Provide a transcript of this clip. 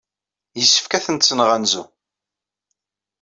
Yessefk ad tent-nɣanzu.